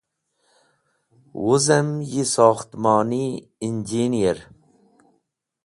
Wuzen yi Sokhtmoni Engineer